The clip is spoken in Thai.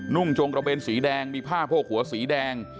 ่งจงกระเบนสีแดงมีผ้าโพกหัวสีแดง